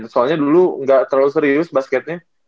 soalnya dulu nggak terlalu serius basketnya